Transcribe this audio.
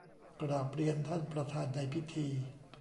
กราบเรียนท่านประธานในพิธี